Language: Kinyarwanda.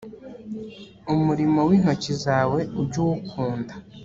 umurimo wintoki zawe ujye uwukunda